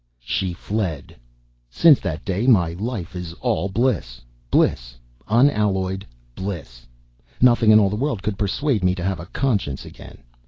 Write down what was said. She fled. Since that day my life is all bliss. Bliss, unalloyed bliss. Nothing in all the world could persuade me to have a conscience again.